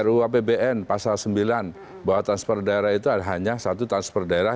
ruu apbn pasal sembilan bahwa transfer daerah itu hanya satu transfer daerah